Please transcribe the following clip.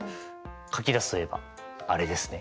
書き出すといえばあれですね。